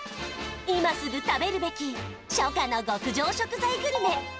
今すぐ食べるべき初夏の極上食材グルメ